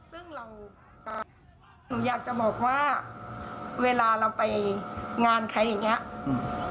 หนูอยากจะบอกว่าเวลาเราไปงานใครอย่างนี้